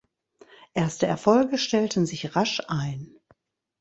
Erste Erfolge stellten sich rasch ein.